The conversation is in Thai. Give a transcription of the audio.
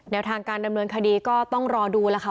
ทางการดำเนินคดีก็ต้องรอดูแล้วค่ะ